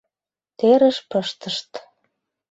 Терыш пыштышт.